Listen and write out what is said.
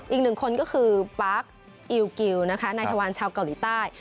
อีก๑คนก็คือปาร์กอิลกิลในทวันชาวเกาหลีใต้